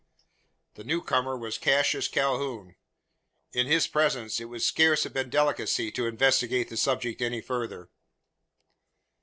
The new comer was Cassius Calhoun. In his presence it would scarce have been delicacy to investigate the subject any further.